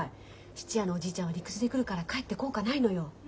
質屋のおじいちゃんは理屈で来るからかえって効果ないのよ。